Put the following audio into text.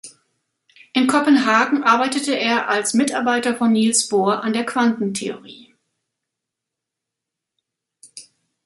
In Kopenhagen arbeitete er als Mitarbeiter von Niels Bohr an der Quantentheorie.